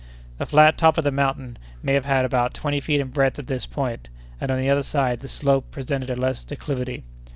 The flat top of the mountain may have had about twenty feet in breadth at this point, and, on the other side, the slope presented a less declivity.